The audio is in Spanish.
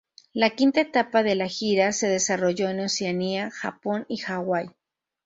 La quinta etapa de la gira se desarrolló en Oceanía, Japón y Hawai.